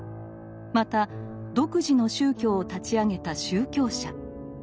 また独自の宗教を立ち上げた宗教者。